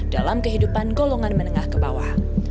dalam kehidupan golongan menengah ke bawah